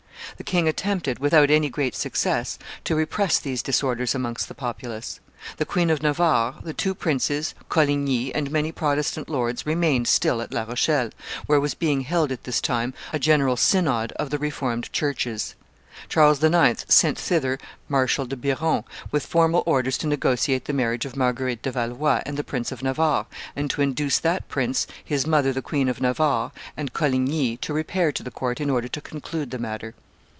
The king attempted, without any great success, to repress these disorders amongst the populace. The Queen of Navarre, the two princes, Coligny, and many Protestant lords remained still at La Rochelle, where was being held at this time a general synod of the Reformed churches. Charles IX. sent thither Marshal de Biron, with formal orders to negotiate the marriage of Marguerite de Valois and the Prince of Navarre, and to induce that prince, his mother the Queen of Navarre, and Coligny to repair to the court in order to conclude the matter.